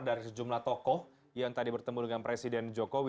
dari sejumlah tokoh yang tadi bertemu dengan presiden jokowi